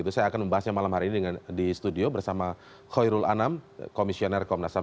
saya akan membahasnya malam hari ini di studio bersama khairul anam komisioner komnas ham